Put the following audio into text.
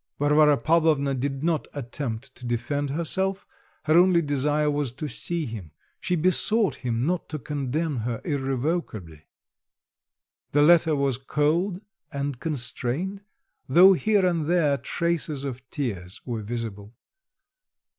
Varvara Pavlovna did not attempt to defend herself; her only desire was to see him, she besought him not to condemn her irrevocably. The letter was cold and constrained, though here and there traces of tears were visible.